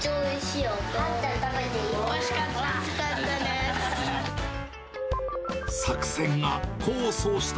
おいしかった！